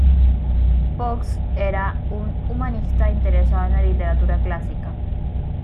Foxe era un humanista interesado en la literatura clásica.